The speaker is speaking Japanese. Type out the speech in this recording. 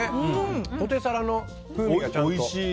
ポテサラの風味が、ちゃんと。